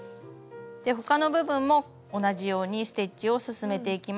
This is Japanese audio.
他の部分も同じようにステッチを進めていきます